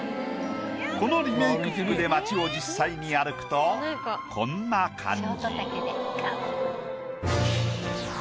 このリメイク服で街を実際に歩くとこんな感じ。